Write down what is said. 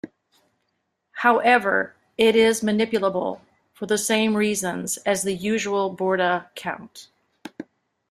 However, it is manipulable, for the same reasons as the usual Borda count.